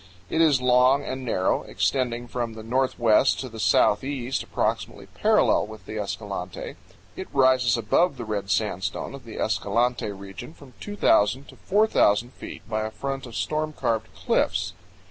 It is long and narrow, extending from the northwest to the southeast approximately parallel with the Escalante. It rises above the red sandstone of the Escalante region from 2,000 to 4,000 feet by a front of storm carved cliffs.